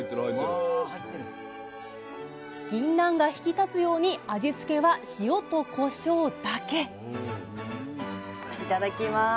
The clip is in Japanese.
ぎんなんが引き立つように味付けは塩とこしょうだけいただきます。